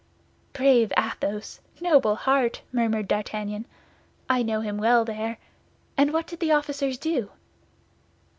'" "Bravo, Athos! Noble heart!" murmured D'Artagnan. "I know him well there! And what did the officers do?"